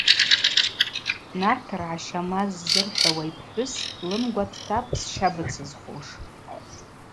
Нартыргӏа Щамаз ззырхӏвауа йпхӏвыс лымгва дтапӏ сща быцызхуш.